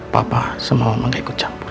papa semua mama gak ikut campur